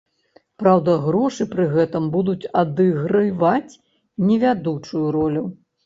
Праўда, грошы пры гэтым будуць адыгрываць не вядучую ролю.